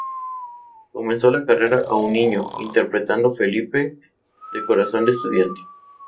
Comenzó la carrera aún niño, interpretando "Felipe" de Corazón de Estudiante.